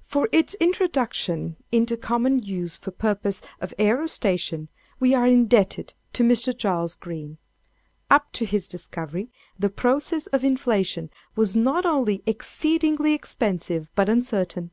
"For its introduction into common use for purposes of aerostation, we are indebted to Mr. Charles Green. Up to his discovery, the process of inflation was not only exceedingly expensive, but uncertain.